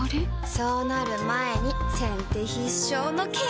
そうなる前に先手必勝のケア！